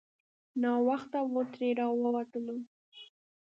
ناوخته وو ترې راووتلو.